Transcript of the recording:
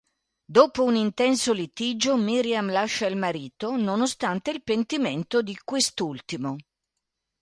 Dopo un intenso litigio, Miriam lascia il marito, nonostante il pentimento di quest'ultimo.